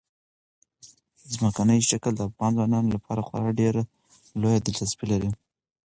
ځمکنی شکل د افغان ځوانانو لپاره خورا ډېره لویه دلچسپي لري.